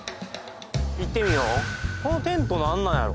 行ってみようこのテントなんなんやろ？